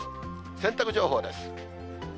洗濯情報です。